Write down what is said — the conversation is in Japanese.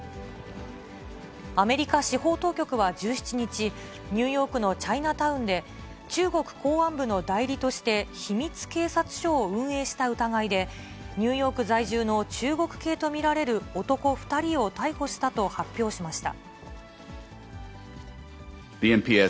アメリカ司法当局は１７日、ニューヨークのチャイナタウンで、中国公安部の代理として秘密警察署を運営した疑いで、ニューヨーク在住の中国系と見られる男２人を逮捕したと発表しました。